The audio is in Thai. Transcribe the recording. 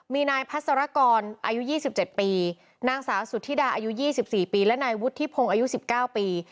มีนายพัศรกรอายุ๒๗ปีนางสาวสุธิดาอายุ๒๔ปีและนายวุฒิพงศ์อายุ๑๙ปี